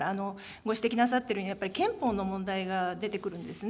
ご指摘なさっているように、憲法の問題が出てくるんですね。